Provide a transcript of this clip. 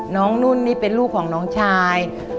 นุ่นนี่เป็นลูกของน้องชาย